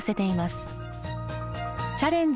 「チャレンジ！